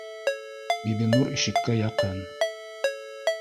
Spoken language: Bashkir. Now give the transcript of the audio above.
— Бибинур ишеккә яҡын